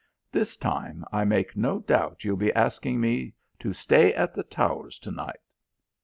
This time, I make no doubt you'll be asking me to stay at the Towers to night.